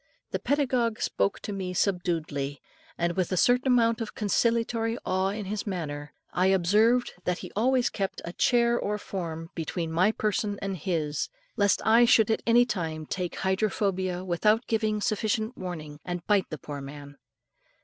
The pedagogue spoke to me subduedly, and with a certain amount of conciliatory awe in his manner, and I observed that he always kept a chair or form between my person and his, lest I should at any time take hydrophobia without giving sufficient warning, and bite the poor man.